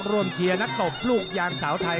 เชียร์นักตบลูกยางสาวไทย